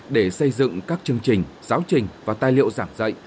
để xây dựng các chương trình giáo trình và tài liệu giảng dạy